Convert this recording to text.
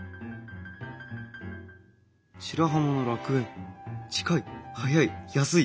白浜の楽園「近い・早い・安い。